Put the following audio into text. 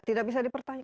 tidak bisa diperpanjang